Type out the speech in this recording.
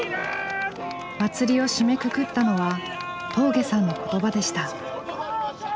祭りを締めくくったのは峠さんの言葉でした。